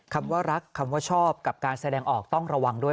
คำว่ารักคำว่าชอบกับการแสดงออกต้องระวังด้วย